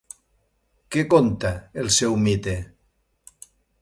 Què conta el seu mite?